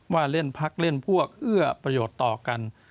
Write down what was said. ว่าเล่นพักเล่นพวกเอื้อประโยชน์ต่อกัน